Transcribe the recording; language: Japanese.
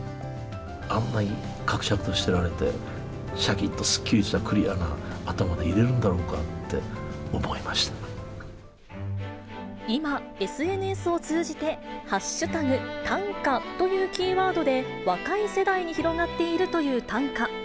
あんなにかくしゃくとしてられて、しゃきっとすっきりしたクリアな頭でいれるんだろうかって今、ＳＮＳを通じて、＃ｔａｎｋａというキーワードで、若い世代に広がっているという短歌。